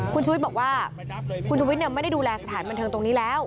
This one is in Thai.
คุณชุวิตบอกว่าคุณชุวิตไม่ได้ดูแลสถานบันเทิงตรงนี้แล้ว